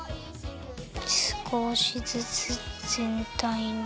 すこしずつぜんたいに。